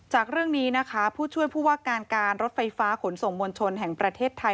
จากเรื่องนี้นะคะผู้ช่วยผู้ว่าการการรถไฟฟ้าขนส่งมวลชนแห่งประเทศไทย